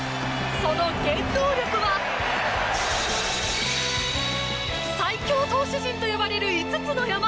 その原動力は最強投手陣と呼ばれる５つの山。